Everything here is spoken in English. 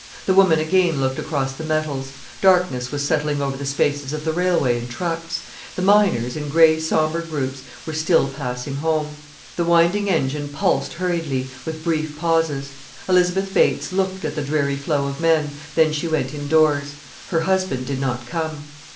The woman again looked across the metals. Darkness was settling over the spaces of the railway and trucks: the miners, in grey sombre groups, were still passing home. The winding engine pulsed hurriedly, with brief pauses. Elizabeth Bates looked at the dreary flow of men, then she went indoors. Her husband did not come.